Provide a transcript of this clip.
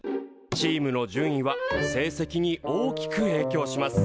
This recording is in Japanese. チームの順位は成績に大きくえいきょうします。